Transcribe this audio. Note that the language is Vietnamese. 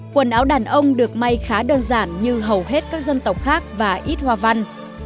quần áo đàn ông được may khá đơn giản như hầu hết các dân tộc khác và ít hoa văn